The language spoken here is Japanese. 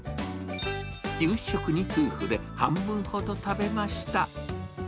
夕食に夫婦で半分ほど食べました。